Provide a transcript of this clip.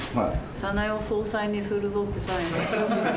早苗を総裁にするぞってサインして。